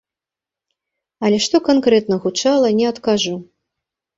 Але што канкрэтна гучала, не адкажу.